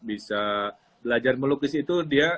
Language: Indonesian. bisa belajar melukis itu dia